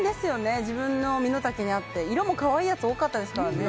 自分の身の丈に合って色も可愛いやつが多かったですからね